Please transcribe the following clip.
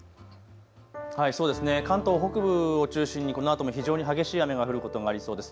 そうですね、関東北部を中心にこのあとも非常に激しい雨が降ることもありそうです。